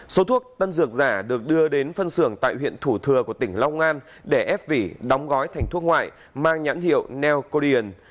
số thuốc tân dược giả được đưa đến phân xưởng tại huyện thủ thừa của tỉnh long an để ép vỉ đóng gói thành thuốc ngoại mang nhãn hiệu neo codeian